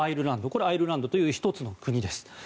これはアイルランドという１つの国です。